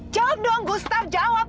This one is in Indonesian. jawab dong gustaf jawab